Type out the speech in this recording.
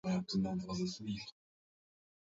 Shida nyingine ni kunawa sana kwa sabuni